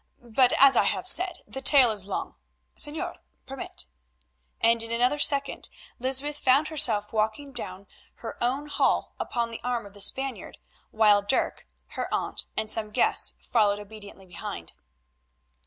But, as I have said, the tale is long. Señor—permit," and in another second Lysbeth found herself walking down her own hall upon the arm of the Spaniard, while Dirk, her aunt, and some guests followed obediently behind.